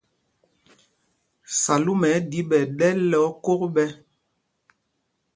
Salúma ɛ́ ɗǐ ɓɛ ɗɛ́l lɛ́ ókok ɓɛ̄.